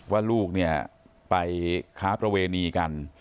ว่าลูกไปค้าประเวณีกัน